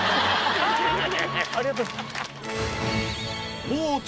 ありがとう。